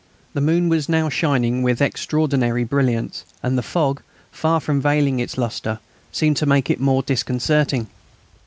The moon was now shining with extraordinary brilliance, and the fog, far from veiling its lustre, seemed to make it more disconcerting.